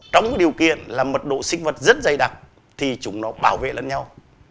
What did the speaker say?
trong điều kiện là mật độ sinh vật rất dày đặc thì chúng nó bảo vệ lẫn nhau